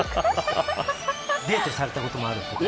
デートされたこともあるんですか。